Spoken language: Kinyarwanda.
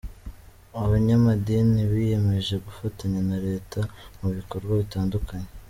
Abanyamadini biyemeje gufatanya na Leta mu bikorwa bitandukanye.